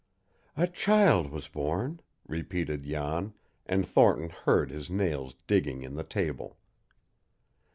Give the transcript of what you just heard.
"A child was born!" repeated Jan, and Thornton heard his nails digging in the table.